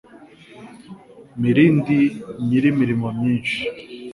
Mirindi nyiri imirimo myinshi